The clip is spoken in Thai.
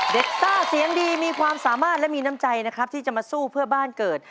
ต้าเสียงดีมีความสามารถและมีน้ำใจนะครับที่จะมาสู้เพื่อบ้านเกิด